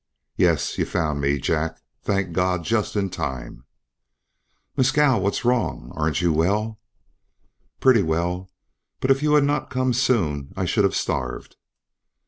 "Yes, you've found me, Jack, thank God! just in time!" "Mescal! What's wrong? Aren't you well?" "Pretty well. But if you had not come soon I should have starved."